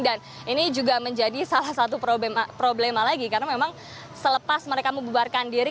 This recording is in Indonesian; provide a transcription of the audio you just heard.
dan ini juga menjadi salah satu problema lagi karena memang selepas mereka membubarkan diri